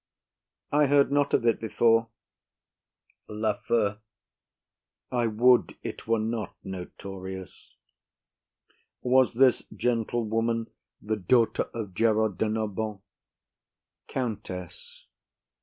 I heard not of it before. LAFEW. I would it were not notorious. Was this gentlewoman the daughter of Gerard de Narbon? COUNTESS.